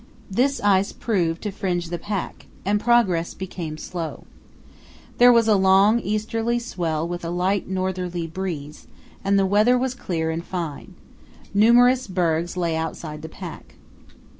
This ice proved to fringe the pack, and progress became slow. There was a long easterly swell with a light northerly breeze, and the weather was clear and fine. Numerous bergs lay outside the pack.